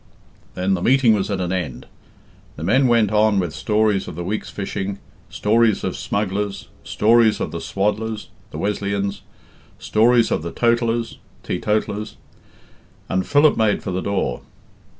Then the meeting was at an end; the men went on with stories of the week's fishing, stories of smugglers, stories of the Swaddlers (the Wesleyans), stories of the totalers (teetotallers), and Philip made for the door.